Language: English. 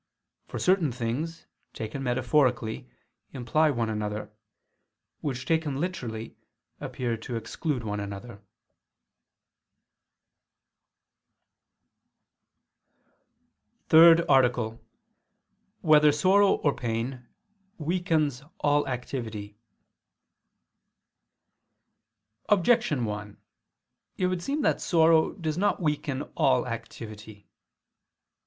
For certain things, taken metaphorically, imply one another, which taken literally, appear to exclude one another. ________________________ THIRD ARTICLE [I II, Q. 37, Art. 3] Whether Sorrow or Pain Weakens All Activity? Objection 1: It would seem that sorrow does not weaken all activity.